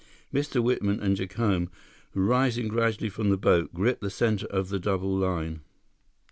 Mr. Whitman and Jacome, rising gradually from the boat, gripped the center of the double line.